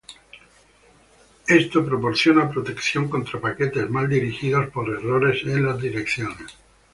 Esto proporciona protección contra paquetes mal dirigidos por errores en las direcciones.